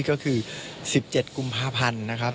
ก็คือ๑๗กุมภาพันธ์นะครับ